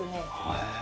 へえ。